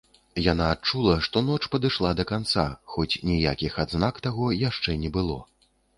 Яна адчула, што ноч падышла да канца, хоць ніякіх адзнак таго яшчэ не было.